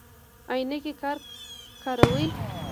عینکې کاروئ؟